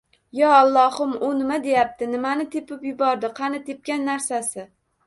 Yo, Allohim, u nima deyapti, nimani tepib yubordi, qani tepgan narsasi